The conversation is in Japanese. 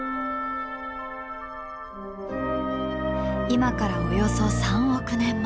今からおよそ３億年前。